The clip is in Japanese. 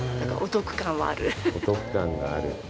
お得感がある。